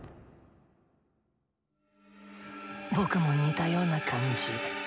僕も似たような感じ。